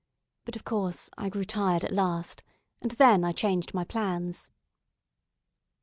But, of course, I grew tired at last, and then I changed my plans.